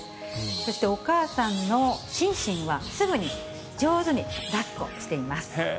そしてお母さんのシンシンは、すぐに上手にだっこしています。